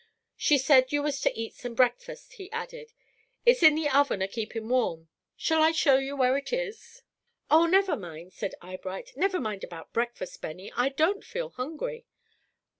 "She said you was to eat some breakfast," he added. "It's in the oven a keepin' warm. Shall I show you where it is?" "Oh, never mind," cried Eyebright. "Never mind about breakfast, Benny. I don't feel hungry."